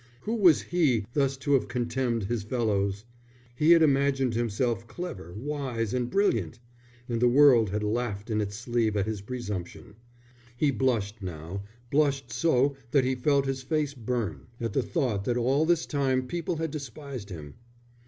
Who was he thus to have contemned his fellows? He had imagined himself clever, wise, and brilliant; and the world had laughed in its sleeve at his presumption. He blushed now, blushed so that he felt his face burn, at the thought that all this time people had despised him.